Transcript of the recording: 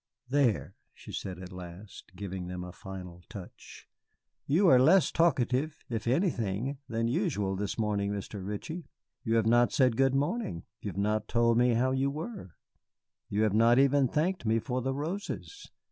"There," she said at last, giving them a final touch. "You are less talkative, if anything, than usual this morning, Mr. Ritchie. You have not said good morning, you have not told me how you were you have not even thanked me for the roses.